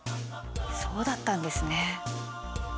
そうだったんですね。